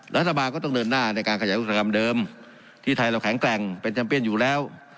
รัฐบาลก็ต้องเดินหน้าในการขยายอุตสาหกรรมเดิมที่ไทยเราแข็งแกร่งเป็นแชมเปียนอยู่แล้ว